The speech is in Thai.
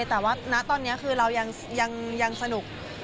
แต่ว่าณตอนนี้คือเรายังสนุก